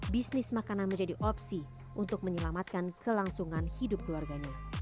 bisnis makanan menjadi opsi untuk menyelamatkan kelangsungan hidup keluarganya